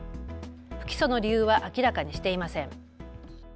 不起訴の理由は明らかにしていません。